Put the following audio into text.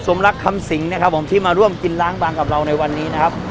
สมรักคำสิงนะครับผมที่มาร่วมกินล้างบางกับเราในวันนี้นะครับ